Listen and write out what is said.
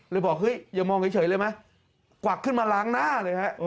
บอกเฮ้ยอย่ามองเฉยเลยไหมกวักขึ้นมาล้างหน้าเลยฮะ